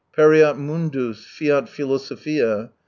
Pereat fnundus, fiat philosophia.